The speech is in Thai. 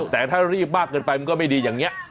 แต่ถ้ารีบมากเกินไปมันก็ไม่ดีอย่างนี้